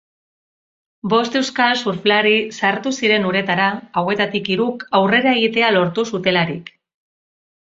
Bost euskal surflari sartu ziren uretara, hauetatik hiruk aurrera egitea lortu zutelarik.